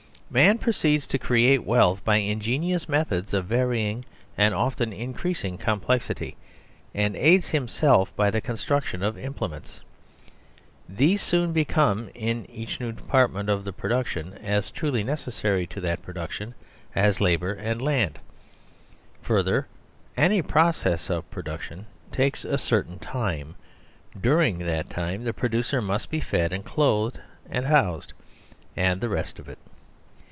Man proceeds to create wealth by ingenious meth ods of varying and often increasing complexity, and aids himself by the construction of implements. These soon become in each new department of the produc tion as truly necessary to that production as labour and land. Further, any process of production takes a certain time ; during that time the producer must be fed, and clothed, and housed, and the rest of it.